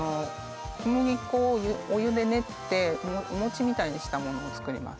小麦粉をお湯で練ってお餅みたいにしたものを作ります